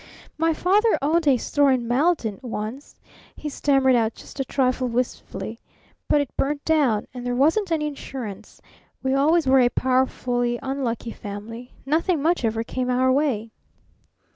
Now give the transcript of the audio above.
"My father owned a store in Malden, once," he stammered, just a trifle wistfully, "but it burnt down, and there wasn't any insurance. We always were a powerfully unlucky family. Nothing much ever came our way!"